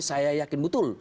saya yakin betul